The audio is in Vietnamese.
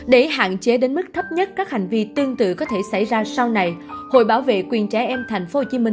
để hạn chế đến mức thấp nhất các hành vi tương tự có thể xảy ra sau này hội bảo vệ quyền trẻ em tp hcm